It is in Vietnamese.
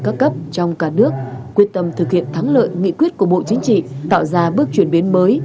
các cấp trong cả nước quyết tâm thực hiện thắng lợi nghị quyết của bộ chính trị tạo ra bước chuyển biến mới